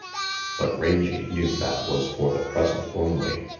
But Rangy knew that was for the present only.